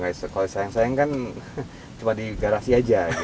kalau sayang sayang kan cuma di garasi aja